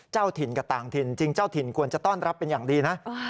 เจ้าถิ่นกับต่างถิ่นจริงเจ้าถิ่นควรจะต้อนรับเป็นอย่างดีนะ